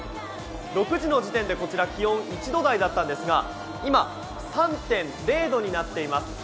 ６時の時点でこちら気温、１度台だったんですが今、３．０度になっています。